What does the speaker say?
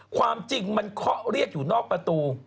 ความจริงมันเคาะเรียกอยู่นอกประตู